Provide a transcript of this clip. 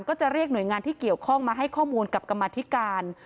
ก็จะเรียกหน่วยงานที่เกี่ยวข้องมาให้ข้อมูลกับกรรมธิการ